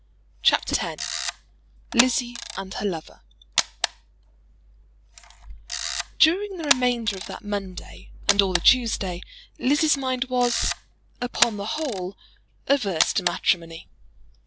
CHAPTER X Lizzie and Her Lover During the remainder of that Monday and all the Tuesday, Lizzie's mind was, upon the whole, averse to matrimony.